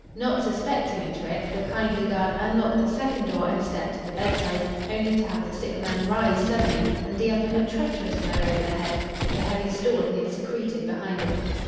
Not suspecting a trick, the kindly guard unlocked the second door and stepped to the bedside, only to have the sick man rise suddenly and deal him a treacherous blow over the head with the heavy stool he had secreted behind him.